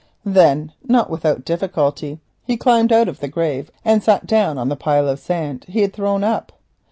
Then not without difficulty he climbed out of the grave and sat down on the pile of sand he had thrown up.